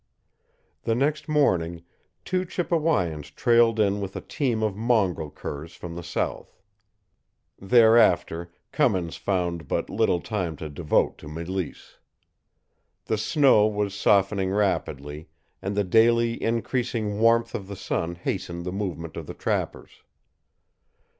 The next morning, two Chippewayans trailed in with a team of mongrel curs from the south. Thereafter Cummins found but little time to devote to Mélisse. The snow was softening rapidly, and the daily increasing warmth of the sun hastened the movement of the trappers.